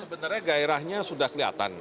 sebenarnya gairahnya sudah kelihatan